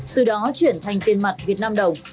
từ đó chuyển thành tiền mặt việt nam đồng